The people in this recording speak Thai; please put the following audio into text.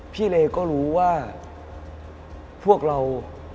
เลก็รู้ว่าพวกเรา